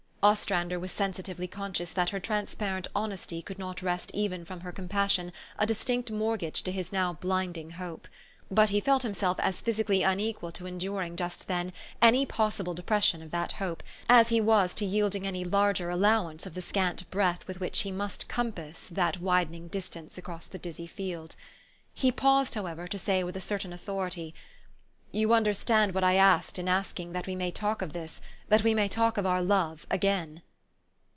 Ostrander was sensitively conscious that her trans parent honesty could not wrest even from her com passion a distinct mortgage to his now blinding hope. But he felt himself as physically unequal to enduring just then any possible depression of that hope, as he was to 3ielding any larger allowance of the scant breath with which he must compass that 188 THE STOEY OF AVIS. widening distance across the dizzy field. He paused, however, to say with a certain authority, " You understood what I asked in asking that we may talk of this, that we may talk of our love, again